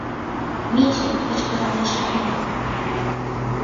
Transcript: — Митя, — кычкыралеш Раман.